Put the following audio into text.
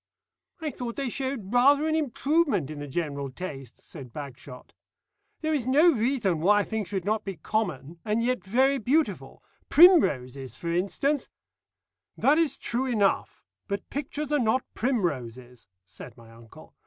"I thought they showed rather an improvement in the general taste," said Bagshot. "There is no reason why a thing should not be common, and yet very beautiful. Primroses, for instance " "That is true enough, but pictures are not primroses," said my uncle.